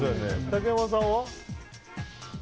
竹山さんは？